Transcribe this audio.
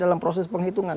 dalam proses penghitungan